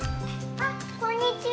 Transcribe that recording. あっこんにちは。